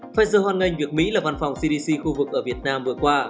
pfizer hoan nghênh việc mỹ là văn phòng cdc khu vực ở việt nam vừa qua